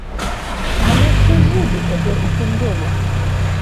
Але хто жыў бы цяпер у тым доме?